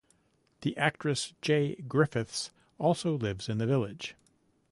The actress Jaye Griffiths also lives in the village.